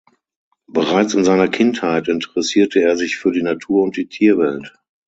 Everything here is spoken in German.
Bereits in seiner Kindheit interessierte er sich für die Natur und die Tierwelt.